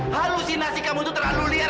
halusinasi kamu itu terlalu liar